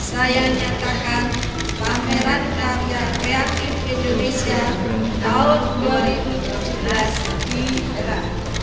saya nyatakan pameran karya kreatif indonesia tahun dua ribu tujuh belas di era